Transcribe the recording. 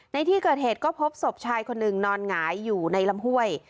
ในที่เกิดเหตุก็พบศพชายคนหนึ่งนอนหงายอยู่ในลำห้วย